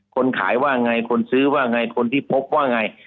คนขายว่าไงคนซื้อว่าไงคนที่พบว่าไง